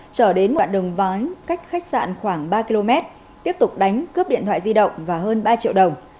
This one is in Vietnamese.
trở đến ngọn đường ván cách khách sạn khoảng ba km tiếp tục đánh cướp điện thoại di động và hơn ba triệu đồng